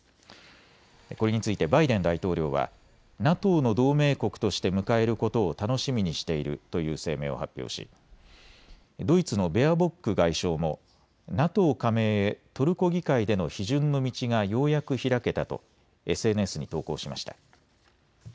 これについてバイデン大統領はＮＡＴＯの同盟国として迎えることを楽しみにしているという声明を発表しドイツのベアボック外相もＮＡＴＯ加盟へトルコ議会での批准の道がようやく開けたとＳＮＳに投稿しました。